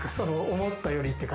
思ったよりっていうか。